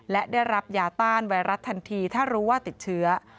และได้รับยาต้านไวรัสทันทีถ้ารู้ว่าติดเชื้อ